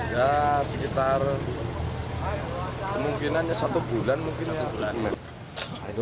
ya sekitar kemungkinannya satu bulan mungkin sebulan